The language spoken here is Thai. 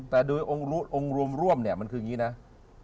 แต่โดยองค์รวมร่วมเนี่ยมันคืออย่างนี้นะ